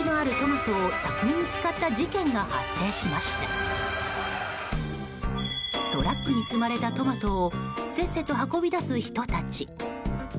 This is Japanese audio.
トラックに積まれたトマトをせっせと運び出す人たち。